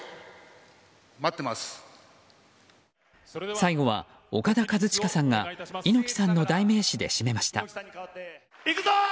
最後はオカダ・カズチカさんが猪木さんの代名詞で締めました。